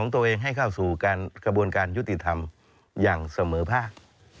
ที่ทำอย่างเสมอภาค